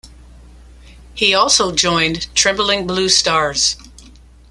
He also joined Trembling Blue Stars.